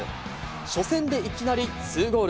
初戦でいきなり２ゴール。